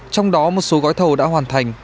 trong đó một số gói thầu đã hoàn thành